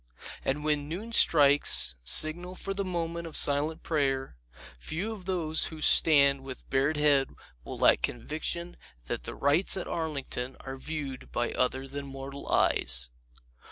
And when noon strikes, signal for the moment of silent prayer, few of those who stand with bared head will lack conviction that the rites at Arlington are viewed by other than mortal eyes.